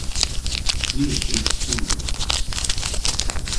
Ni a dhysk Kernewek.